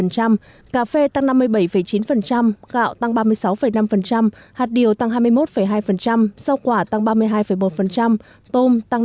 cà phê tăng năm mươi bảy chín gạo tăng ba mươi sáu năm hạt điều tăng hai mươi một hai rau quả tăng ba mươi hai một tôm tăng năm